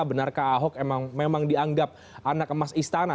benarkah ahok memang dianggap anak emas istana